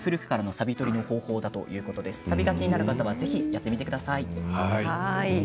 さびが気になる方はぜひやってみてください。